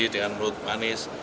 dengan mulut manis